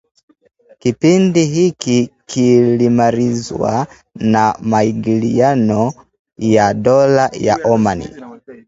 Kipindi hiki kilimalizwa na maingiliano ya dola ya Oman